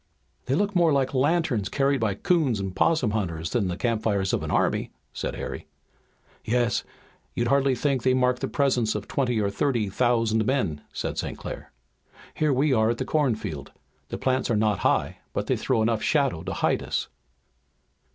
"They look more like lanterns carried by 'coon and 'possum hunters than the campfires of an army," said Harry. "Yes, you'd hardly think they mark the presence of twenty or thirty thousand men," said St. Clair. "Here we are at the cornfield. The plants are not high, but they throw enough shadow to hide us."